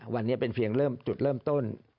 วันนี้เป็นเพียงเริ่มจุดเริ่มต้น